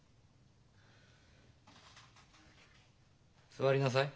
座りなさい。